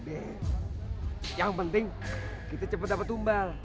iya yang penting kita cepet dapet tumbal